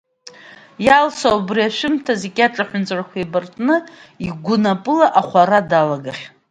Иалса убри ашәымҭаз икьаҿ аҳәынҵәрақәа еибартны игәы напыла ахәара далагахьан.